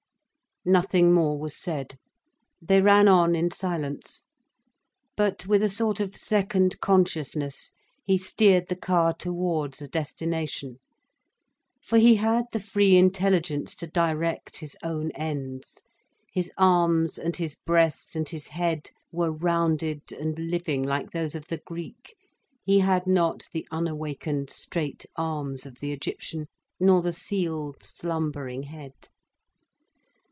Nothing more was said. They ran on in silence. But with a sort of second consciousness he steered the car towards a destination. For he had the free intelligence to direct his own ends. His arms and his breast and his head were rounded and living like those of the Greek, he had not the unawakened straight arms of the Egyptian, nor the sealed, slumbering head.